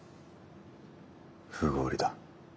不合理だ。